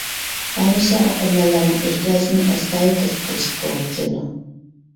ھەمىشە ئوقۇرمەنلەرنىڭ ئېھتىياجىنى ئەستايىدىل تەتقىق قىلىشقا توغرا كېلىدۇ.